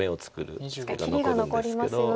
確かに切りが残りますよと。